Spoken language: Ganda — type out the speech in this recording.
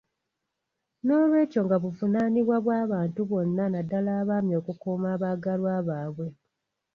Noolwekyo nga buvunaanibwa bwa bantu bonna naddala abaami okukuuma abaagalwa baabwe.